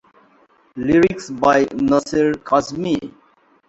Lyrics by Nasir Kazmi.